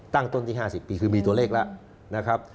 ตั้งต้นที่๕๐ปีคือมีตัวเลขแล้วนะครับ